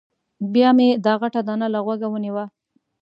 بیا مې دا غټه دانه له غوږه ونیوه.